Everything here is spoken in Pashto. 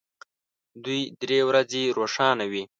دوه درې ورځې روښانه وي.